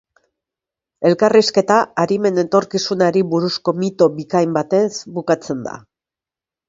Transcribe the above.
Elkarrizketa arimen etorkizunari buruzko mito bikain batez bukatzen da.